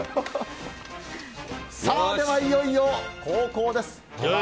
ではいよいよ後攻です。